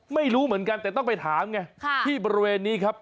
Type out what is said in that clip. ไม่รู้เหมือนกันแต่ต้องไปถามไงที่บริเวณนี้ครับ